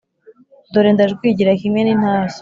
Dore ndajwigira kimwe n’intashya,